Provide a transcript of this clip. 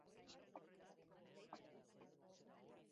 Indartsu atera da, sendo, eta ez dio aurkariari aukerarik eman.